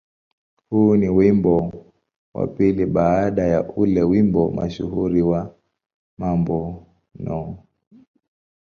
Huu ni wimbo wa pili baada ya ule wimbo mashuhuri wa "Mambo No.